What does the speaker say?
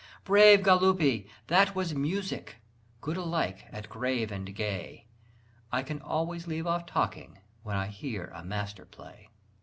"Brave Galuppi! that was music! good alike at grave and gay! I can always leave off talking when I hear a master play!"